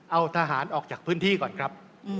เอาทหารออกจากพื้นที่ก่อนครับ